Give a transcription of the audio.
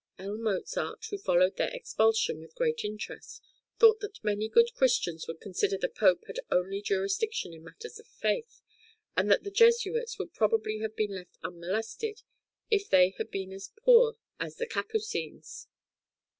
L. Mozart, who followed their expulsion with great interest, thought that many good Christians would consider the Pope had only jurisdiction in matters of faith, and that the Jesuits would probably have been left unmolested if they had been as poor as the Capucines.